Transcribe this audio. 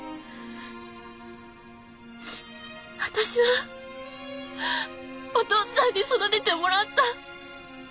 私はお父っつぁんに育ててもらった！